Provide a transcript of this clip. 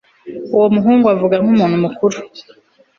uwo muhungu avuga nkumuntu mukuru